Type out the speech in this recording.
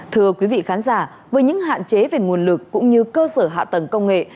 thưa quý vị khán giả với những hạn chế về nguồn lực cũng như cơ sở hạ tầng công nghệ